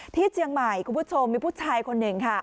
ที่เชียงใหม่คุณผู้ชมมีผู้ชายคนหนึ่งค่ะ